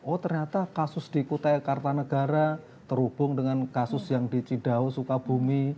oh ternyata kasus di kutai kartanegara terhubung dengan kasus yang di cidau sukabumi